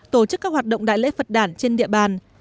tổ chức các hoạt động đại lễ phật đản trên địa bàn